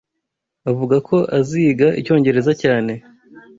Avuga ko aziga icyongereza cyane.